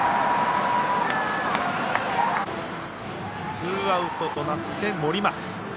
ツーアウトとなって森松。